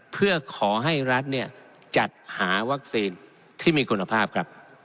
เพื่อขอให้รัฐเนี่ยจัดหาวัคซีนที่มีคุณภาพครับ